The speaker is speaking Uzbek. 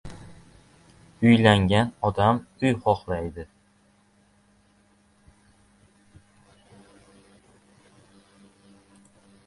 • Uylangan odam uy xohlaydi.